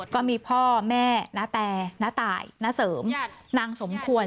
ก็มีพ่อแม่นาแตน้าตายณเสริมนางสมควร